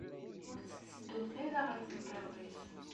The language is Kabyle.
Ur tetteddumt ara ɣer temkarḍit.